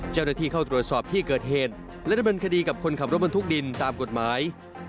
เจ้าหน้าที่เข้าตรวจสอบที่เกิดเหตุและดำเนินคดีกับคนขับรถบรรทุกดินตามกฎหมาย